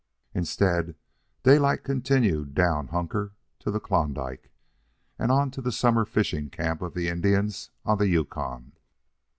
Instead, Daylight continued down Hunker to the Klondike, and on to the summer fishing camp of the Indians on the Yukon.